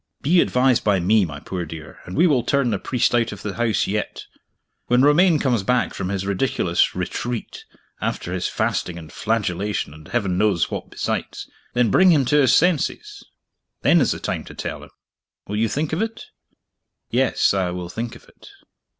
Be advised by me, my poor dear, and we will turn the priest out of the house yet. When Romayne comes back from his ridiculous Retreat after his fasting and flagellation, and Heaven knows what besides then bring him to his senses; then is the time to tell him. Will you think of it?" "Yes; I will think of it."